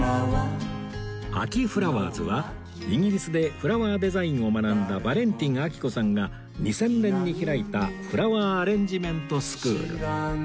ＡＫＩＦＬＯＷＥＲＳ はイギリスでフラワーデザインを学んだバレンティン章子さんが２０００年に開いたフラワーアレンジメントスクール